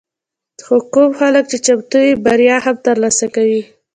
خو کوم خلک چې چمتو وي، بریا هم ترلاسه کوي.